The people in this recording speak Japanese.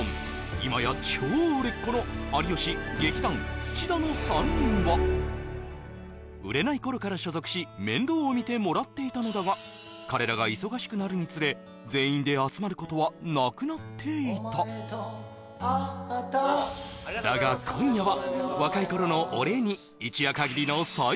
今や超売れっ子の有吉劇団土田の３人は売れない頃から所属し面倒を見てもらっていたのだが彼らが忙しくなるにつれ全員で集まることはなくなっていただが今夜は昔はよく来てたけどな